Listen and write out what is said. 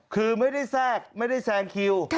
คือไม่ได้แทรกไม่ได้แซงคิว